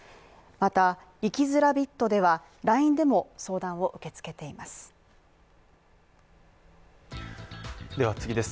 また、生きづらびっとでは、ＬＩＮＥでも相談を受け付けています。